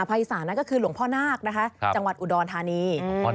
ภาคอีสานก็คือหลวงพ่อนาคจังหวัดอุดรธานี